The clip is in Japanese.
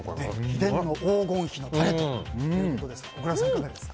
秘伝の黄金比のタレということです。